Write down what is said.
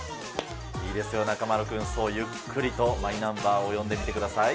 いいですよ、中丸君、そう、ゆっくりとマイナンバーを読んでみてください。